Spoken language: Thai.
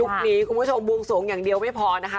นี้คุณผู้ชมบวงสวงอย่างเดียวไม่พอนะคะ